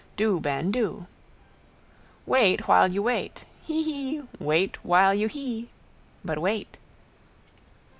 Do, Ben, do. Wait while you wait. Hee hee. Wait while you hee. But wait!